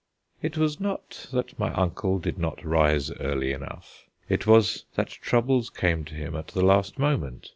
It was not that my uncle did not rise early enough; it was that troubles came to him at the last moment.